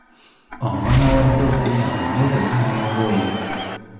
Omwana wa ddobi amanyi okuzinga engoye.